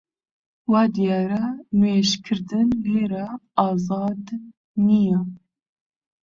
وا دیارە نوێژ کردن لێرە ئازاد نییە